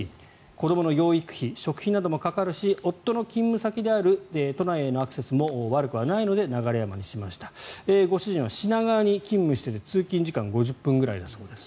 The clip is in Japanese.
子どもの養育費食費などもかかるし夫の勤務先である都内へのアクセスも悪くはないので流山にしましたご主人は品川に勤務してて通勤時間５０分くらいだそうです。